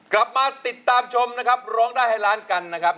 กลับมาติดตามชมนะครับร้องได้ให้ล้านกันนะครับ